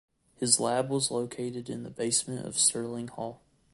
His lab was located in the basement of Sterling Hall.